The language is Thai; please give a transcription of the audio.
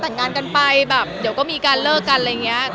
แต่งงานกันไปแบบเดี๋ยวก็มีการเลิกกันอะไรอย่างนี้